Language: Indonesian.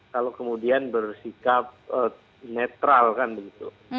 kalau kemudian bersikap netral kan begitu